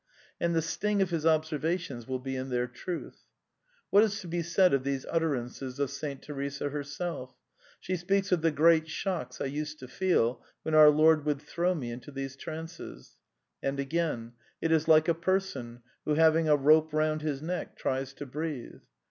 ^t^ And the sting of his observations will be in their trutKT What is to be said of these utterances of Saint Teresa herself ? She speaks of ^^ the great shocks I used to feel when our Lord would throw me into these trances." And again, ^' it is like a person, who, having a rope round his neck tries to breathe."